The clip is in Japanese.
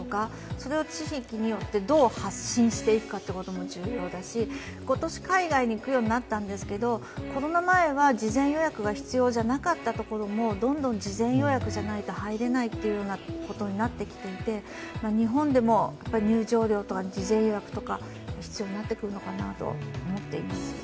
それをどう発信していくかも重要だし、今年海外に行くようになったんですけれども、コロナ前は事前予約が必要じゃなかったところも、どんどん事前予約じゃないと入れないということになってきていて日本でも入場料とか事前予約とか必要になってくるのかなと思っています。